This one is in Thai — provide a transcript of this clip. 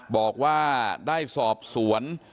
บอกว่าได้สอบสวน